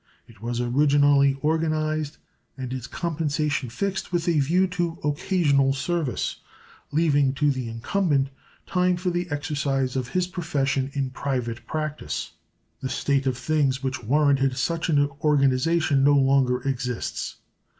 It was originally organized and its compensation fixed with a view to occasional service, leaving to the incumbent time for the exercise of his profession in private practice. The state of things which warranted such an organization no longer exists.